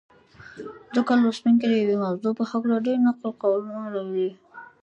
ځکه لوستونکي د یوې موضوع په هکله ډېر نقل قولونه لولي.